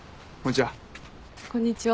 こんにちは。